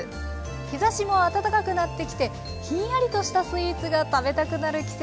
日ざしも暖かくなってきてひんやりとしたスイーツが食べたくなる季節ですね。